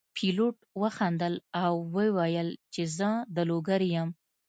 پیلوټ وخندل او وویل چې زه د لوګر یم.